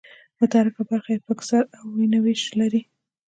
متحرکه برخه یې فکسر او ورنیه وېش لري.